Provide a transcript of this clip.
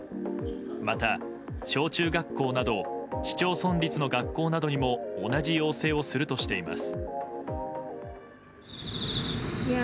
また小中学校など市町村立の学校などにも同じ要請をするとしています。